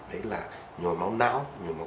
đấy là nhồi máu não